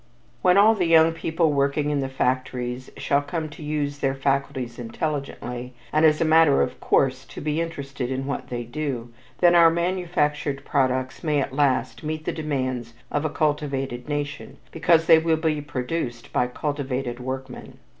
When all the young people working in factories shall come to use their faculties intelligently, and as a matter of course to be interested in what they do, then our manufactured products may at last meet the demands of a cultivated nation, because they will be produced by cultivated workmen.